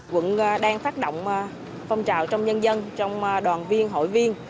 quận đang phát động phong trào trong nhân dân trong đoàn viên hội viên